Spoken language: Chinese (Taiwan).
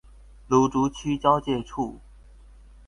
蘆竹區交界處